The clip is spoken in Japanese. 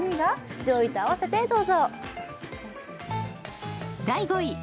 上位と合わせてどうぞ。